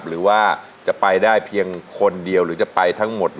หรือว่าจะไปได้เพียงคนเดียวหรือจะไปทั้งหมด